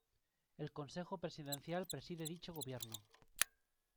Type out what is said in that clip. El Consejo Presidencial preside dicho Gobierno.